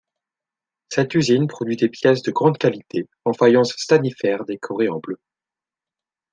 Cette usine produit des pièces de grande qualité en faïence stannifère décorée en bleu.